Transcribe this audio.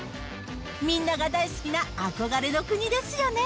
みんなが大好きな憧れの国ですよね。